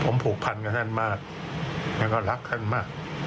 ผมผูกพันกับท่านมากแล้วก็รักท่านมาก